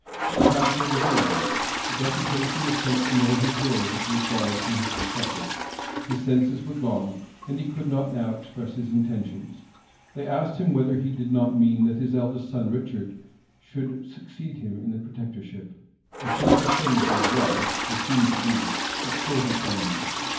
The council was alarmed. A deputation was sent to know his will with regard to his successor His senses were gone, and he could not now express his intentions. They asked him whether he did not mean that his eldest son, Richard, should succeed him in the protectorship. A simple affirmative was, or seemed to be, extorted from him.